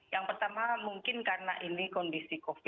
yang pertama mungkin karena ini kondisi covid sembilan belas